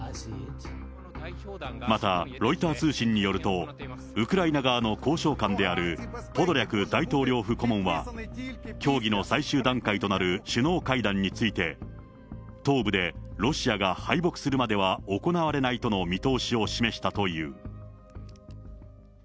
またロイター通信によると、ウクライナ側の交渉官であるポドリャク大統領府顧問は、協議の最終段階となる首脳会談について、東部でロシアが敗北するまでは行われないとの見通しを示したという。